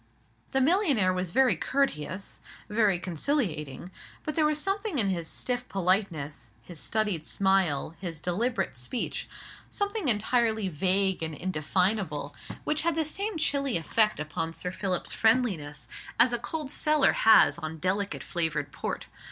The millionaire was very courteous, very conciliating: but there was something in his stiff politeness, his studied smile, his deliberate speech, something entirely vague and indefinable, which had the same chilly effect upon Sir Philip's friendliness, as a cold cellar has on delicate flavoured port.